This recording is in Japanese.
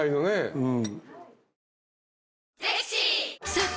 うん。